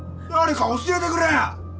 誰か教えてくれよ！